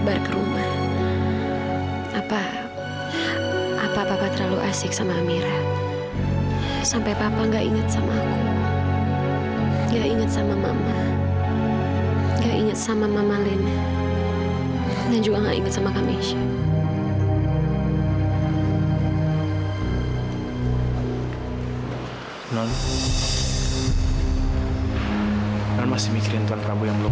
aduh aku mati aduh